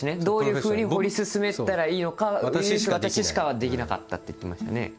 「どういうふうに掘り進めたらいいのか唯一私しかできなかった」って言ってましたね。